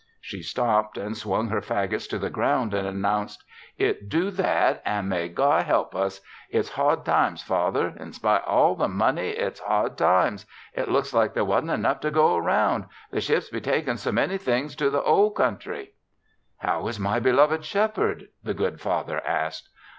She stopped and swung her fagots to the ground and announced: "It do that an' may God help us! It's hard times, Father. In spite o' all the money, it's hard times. It looks like there wasn't enough to go 'round the ships be takin' so many things to the old country." "How is my beloved Shepherd?" the good Father asked.